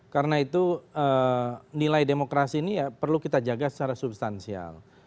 karena itu nilai demokrasi ini perlu kita jaga secara substansial